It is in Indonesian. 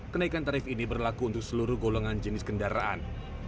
kenaikan tarif ini berlaku untuk seluruh golongan jenis kendaraan